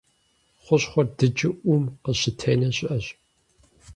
Хущхъуэр дыджу Ӏум къыщытенэ щыӏэщ.